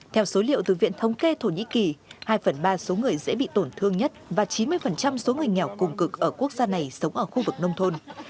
theo số liệu từ viện thống kê thổ nhĩ kỳ hai phần ba số người dễ bị tổn thương nhất và chín mươi số người nghèo cùng cực ở quốc gia này sống ở khu vực nông thôn